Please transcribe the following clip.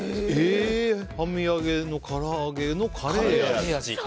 半身揚げのから揚げのカレー味？